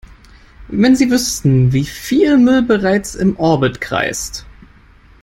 Wenn Sie wüssten, wie viel Müll bereits im Orbit kreist!